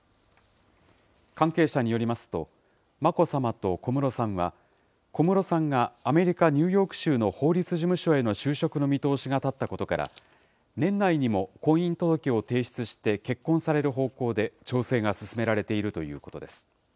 関係者によりますと、眞子さまと小室さんは、小室さんがアメリカ・ニューヨーク州の法律事務所への就職の見通しが立ったことから、年内にも婚姻届を提出して、結婚される方向で調整が進められているということです。